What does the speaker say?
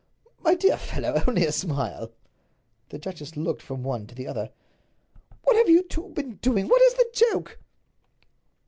"My dear fellow, only a smile!" The duchess looked from one to the other. "What have you two been doing? What is the joke?"